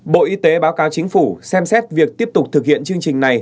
bộ y tế báo cáo chính phủ xem xét việc tiếp tục thực hiện chương trình này